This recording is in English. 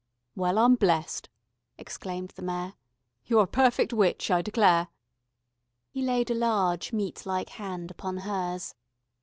"Well, I'm blessed," exclaimed the Mayor. "You're a perfect witch, I declare." He laid a large meat like hand upon hers.